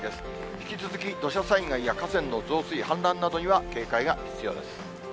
引き続き、土砂災害や河川の増水、氾濫などには警戒が必要です。